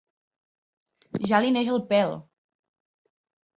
Ja li neix el pèl.